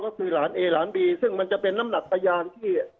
ก็คือหลานเอหลานบีซึ่งมันจะเป็นน้ำหนักพยานที่